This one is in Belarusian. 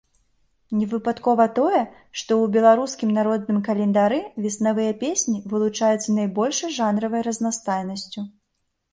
Невыпадкова тое, што ў беларускім народным календары веснавыя песні вылучаюцца найбольшай жанравай разнастайнасцю.